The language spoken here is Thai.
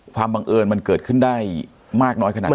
บังเอิญมันเกิดขึ้นได้มากน้อยขนาดไหน